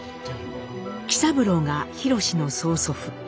喜三郎がひろしの曽祖父。